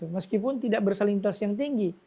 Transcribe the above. meskipun tidak bersalinitas yang tinggi